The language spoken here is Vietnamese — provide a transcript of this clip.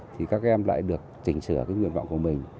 thì các em lại được chỉnh sửa cái nguyện vọng của mình